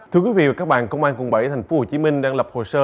thưa quý vị và các bạn công an quận bảy tp hcm đang lập hồ sơ